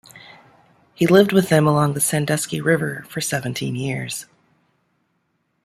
He lived with them along the Sandusky River for seventeen years.